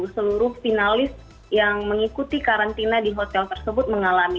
seluruh finalis yang mengikuti karantina di hotel tersebut mengalami